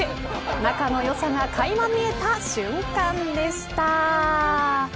仲の良さが垣間見えた瞬間でした。